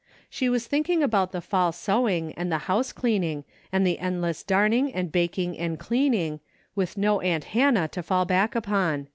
She was thinking about the fall sewing and house cleaning, and the endless darning and baking and cleaning, with no aunt Hannah to fall back upon.